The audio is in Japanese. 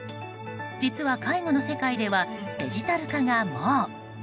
実は、介護の世界ではデジタル化がもう。